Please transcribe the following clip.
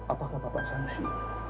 apakah bapak sangsi